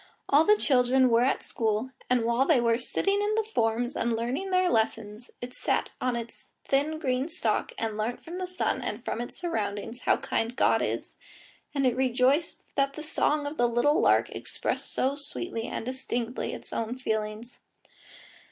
All the children were at school, and while they were sitting on the forms and learning their lessons, it sat on its thin green stalk and learnt from the sun and from its surroundings how kind God is, and it rejoiced that the song of the little lark expressed so sweetly and distinctly its own feelings.